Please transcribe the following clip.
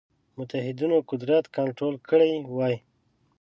متحدینو قدرت کنټرول کړی وای.